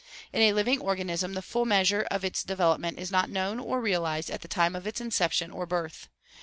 In a living organism the full measure of its development is not known or realized at the time of its inception or birth.